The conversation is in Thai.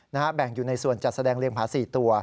แบ่งอยู่ในส่วนจัดแสดงเรียงผา๔ตัว